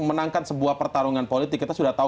menangkan sebuah pertarungan politik kita sudah tahu